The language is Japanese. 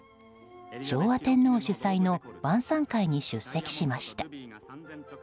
昭和天皇主催の晩さん会に出席しました。